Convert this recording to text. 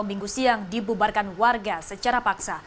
minggu siang dibubarkan warga secara paksa